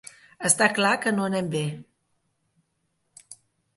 Està clar que no anem bé.